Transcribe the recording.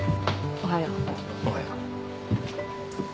おはよう。